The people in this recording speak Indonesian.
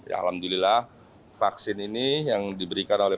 alhamdulillah vaksin ini yang diberikan oleh